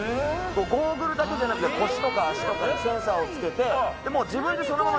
ゴーグルだけじゃなくて腰とか足とかにセンサーをつけてでもう自分でそのまま直感的に動いて。